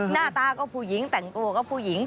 หน้าตาก็ผู้หญิงแต่งตัวก็ผู้หญิง